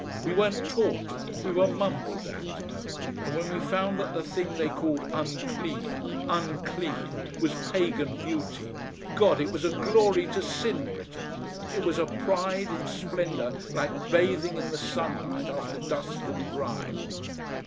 We weren't taught we were mumbled at! And when we found that the thing they called unclean, unclean, was Pagan beauty God! it was a glory to sin, Britten, it was a pride and splendour like bathing in the sunlight after dust and grime!"